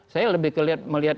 saya lebih melihat ke bawah